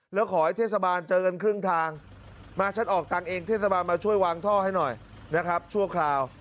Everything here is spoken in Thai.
แล้วขอให้เทศบาลเจอกันครึ่งทางมาฉันออกตังค์เองเทศบาลมาช่วยวางท่อให้หน่อยนะครับชั่วคราว